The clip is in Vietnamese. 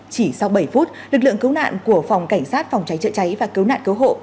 chỉ sau bảy phút lực lượng cứu nạn của phòng cảnh sát phòng cháy chữa cháy và cứu nạn cứu hộ